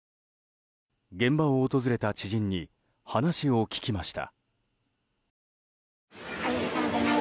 現場を訪れた知人に話を聞きました。